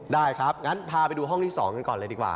ได้ครับงั้นพาไปดูห้องที่๒กันก่อนเลยดีกว่า